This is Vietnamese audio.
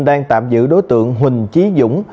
đang tạm giữ đối tượng huỳnh chí dũng